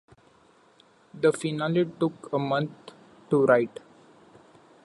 The finale took a month to write.